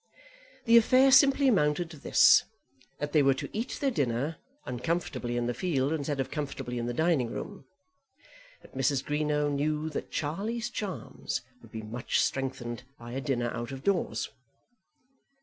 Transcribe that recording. The affair simply amounted to this, that they were to eat their dinner uncomfortably in the field instead of comfortably in the dining room. But Mrs. Greenow knew that Charlie's charms would be much strengthened by a dinner out of doors.